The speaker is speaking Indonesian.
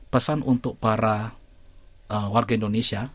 pesan untuk para warga indonesia